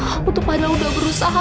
aku tuh pada udah berusaha